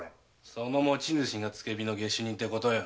その持ち主が付け火の下手人ってことよ。